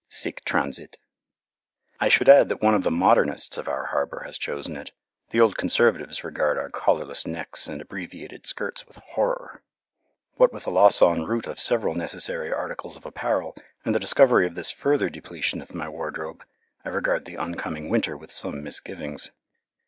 Sic transit. I should add that one of the modernists of our harbour has chosen it. The old conservatives regard our collarless necks and abbreviated skirts with horror. What with the loss en route of several necessary articles of apparel, and the discovery of this further depletion of my wardrobe, I regard the oncoming winter with some misgivings.